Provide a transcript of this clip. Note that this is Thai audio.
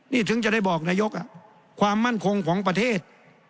นี่ถึงจะได้บอกนายกความมั่นคงของประเทศ